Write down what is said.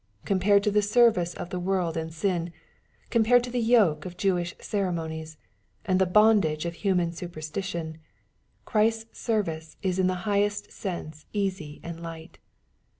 Compared to the service of the world and siti, compared to the yoke of Jewish ceremonies, and the bondage of human superstition, Christ's service is in the highest sense easy and light.